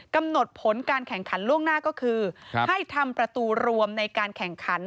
กำหนดผลการแข่งขันล่วงหน้าก็คือให้ทำประตูรวมในการแข่งขัน